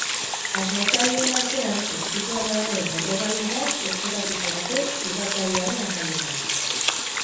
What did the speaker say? Asmatzaileen artean ezkutuan dagoen erregali bat zozketatuko dute irratsaioaren amaieran.